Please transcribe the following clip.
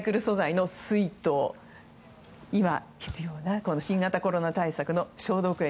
そして今、必要な新型コロナ対策の消毒液。